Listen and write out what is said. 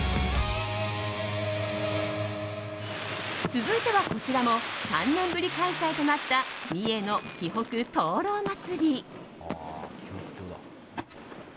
続いては、こちらも３年ぶり開催となった三重のきほく燈籠祭。